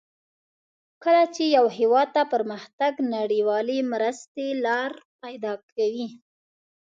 کله چې یو هېواد ته پرمختګ نړیوالې مرستې لار پیداکوي.